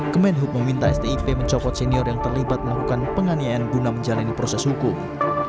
kemenhub meminta stip mencopot senior yang terlibat melakukan penganiayaan guna menjalani proses hukum